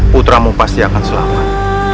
putramu pasti akan selamat